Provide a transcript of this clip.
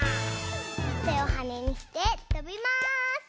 てをはねにしてとびます！